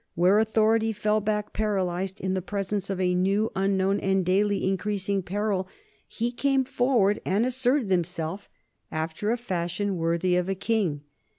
Where authority fell back paralyzed in the presence of a new, unknown, and daily increasing peril, he came forward and asserted himself after a fashion worthy of a king.